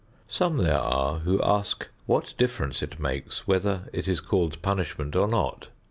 Some there are who ask what difference it makes whether it is called punishment or not.